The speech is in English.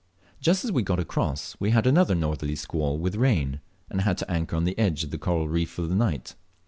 Just as we got across we had another northerly squall with rain, and had to anchor on the edge of a coral reef for the night.